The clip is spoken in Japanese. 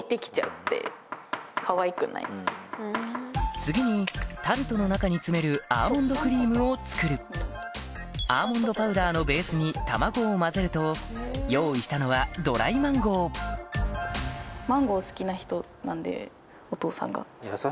次にタルトの中に詰めるアーモンドクリームを作るアーモンドパウダーのベースに卵を混ぜると用意したのはドライマンゴーそれは。